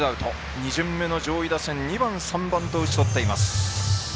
２巡目の上位打線２番３番と打ち取っています。